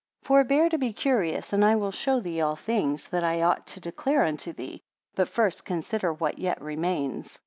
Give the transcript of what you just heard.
21 Forbear to be curious; and I will show thee all things that I ought to declare unto thee: but first consider what yet remains.